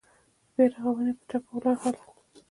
د بيا رغونې په ټپه ولاړ حالات.